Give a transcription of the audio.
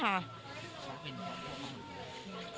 เขาเป็นอย่างไร